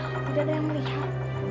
tidak ada yang melihat